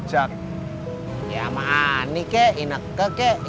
ya sama ani kek ineke kek